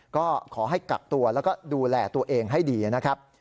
ก็ขอให้กักตัวแล้วก็ดูแลตัวเองให้ดีนะครับ